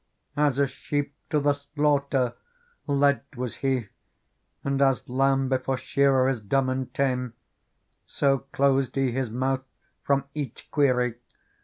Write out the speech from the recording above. As a sheep to the slaughter led was He, And, as lamb before shearer is dumb and tame. So closed He His mouth from each query.